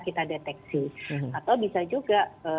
kita deteksi atau bisa juga